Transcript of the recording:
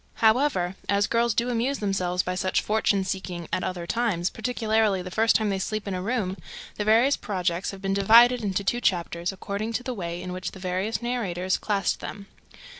However, as girls do amuse themselves by such fortune seeking at other times, particularly the first time they sleep in a room, the various projects have been divided into two chapters, according to the way in which the various narrators classed them.